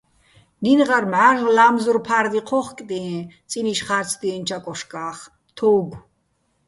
ნინო̆ღარ მჵარ'ლ ლა́მზურ ფა́რდი ჴო́ხკდიეჼ წინიშ ხა́რცდიენჩო̆ აკოშკა́ხ, თო́უგო̆.